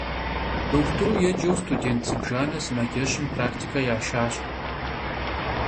Дохутыру еджэу студент зыбжанэ сымаджэщым практикэ яшащ.